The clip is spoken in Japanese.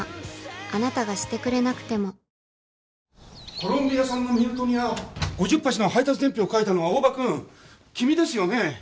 コロンビア産のミルトニア５０鉢の配達伝票を書いたのは大庭くん君ですよね？